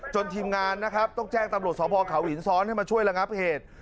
ทีมงานนะครับต้องแจ้งตำรวจสภเขาหินซ้อนให้มาช่วยระงับเหตุ